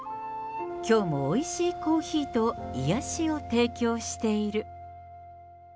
きょうもおいしいコーヒーと癒やしを提供している。